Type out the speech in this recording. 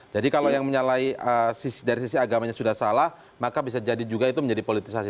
jadi kalau yang menyalahi dari sisi agamanya sudah salah maka bisa jadi juga itu menjadi politisasi